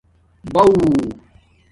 بݳݸ